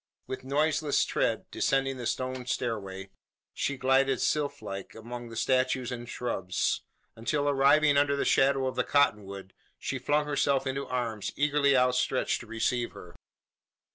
With noiseless tread descending the stone stairway, she glided sylph like among the statues and shrubs; until, arriving under the shadow of the cotton wood, she flung herself into arms eagerly outstretched to receive her.